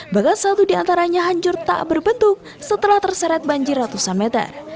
bahkan satu di antaranya hancur tak berbentuk setelah terseret banjir ratusan meter